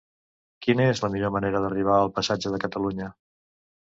Quina és la millor manera d'arribar al passatge de Catalunya?